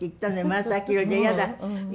紫色じゃ嫌だ。